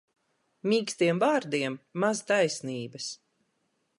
Mīkstiem vārdiem maz taisnības.